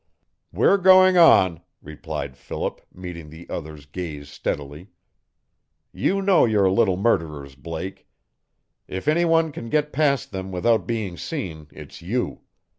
"We're going on," replied Philip, meeting the other's gaze steadily. "You know your little murderers, Blake. If any one can get past them without being seen it's you.